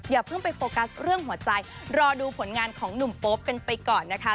อย่าเพิ่งไปโฟกัสเรื่องหัวใจรอดูผลงานของหนุ่มโป๊ปกันไปก่อนนะคะ